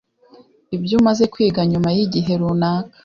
ibyo umaze kwiga nyuma y'igihe runaka.